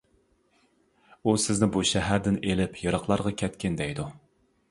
ئۇ سىزنى بۇ شەھەردىن ئېلىپ يىراقلارغا كەتكىن دەيدۇ.